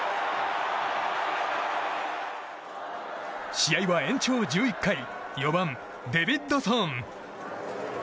試合は延長１１回４番、デビッドソン。